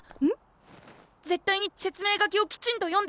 絶対に説明書きをきちんと読んで食べてください。